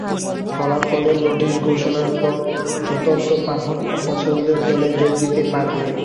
ফলাফলের নোটিশ ঘোষণার পর স্বতন্ত্র প্রার্থীরা পছন্দের দলে যোগ দিতে পারবে।